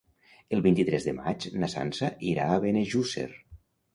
El vint-i-tres de maig na Sança irà a Benejússer.